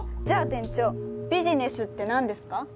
じゃあ店長ビジネスって何ですか？